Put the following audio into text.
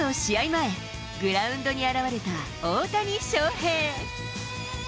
前、グラウンドに現れた大谷翔平。